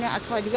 yang acua juga